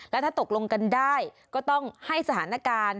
แล้วถ้าตกลงกันได้ก็ต้องให้สถานการณ์